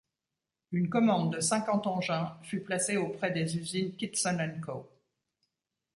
Une commande de cinquante engins fut placée auprès des usines Kitson & Co.